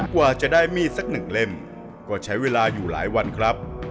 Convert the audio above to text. กว่าจะได้มีดสักหนึ่งเล่มก็ใช้เวลาอยู่หลายวันครับ